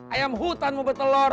ayam hutan mau bertelur